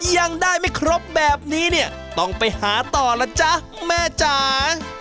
ยังได้ไม่ครบแบบนี้เนี่ยต้องไปหาต่อล่ะจ๊ะแม่จ๋า